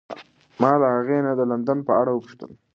ما له هغې نه د لندن په اړه وپوښتل.